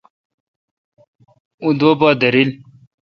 اہ دوہ پہ درل۔